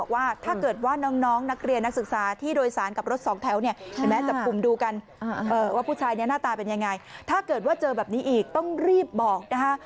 ว่าผู้ชายนี้หน้าตาเป็นยังไงถ้าเกิดว่าเจอแบบนี้อีกต้องรีบบอกนะคะ